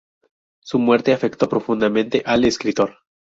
Su muerte afectó profundamente al escritor.